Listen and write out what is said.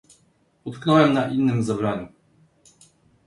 Utknąłem na innym zebraniu